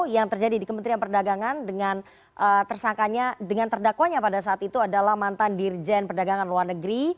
yang terjadi di kementerian perdagangan dengan tersangkanya dengan terdakwanya pada saat itu adalah mantan dirjen perdagangan luar negeri